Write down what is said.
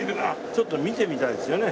ちょっと見てみたいですよね。